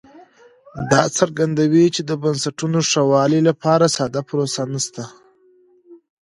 دا څرګندوي چې د بنسټونو ښه والي لپاره ساده پروسه نشته